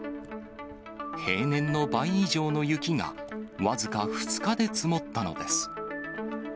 平年の倍以上の雪が、僅か２日で積もったのです。